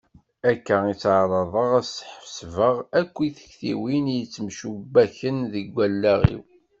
Akka i tteɛraḍeɣ ad sḥebseɣ akk tiktiwin i yettemcubbaken deg wallaɣ-iw.